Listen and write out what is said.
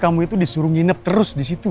kamu disuruh nginep terus disitu